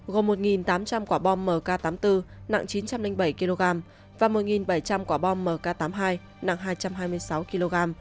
gồm một tám trăm linh quả bom mk tám mươi bốn nặng chín trăm linh bảy kg và một bảy trăm linh quả bom mk tám mươi hai nặng hai trăm hai mươi sáu kg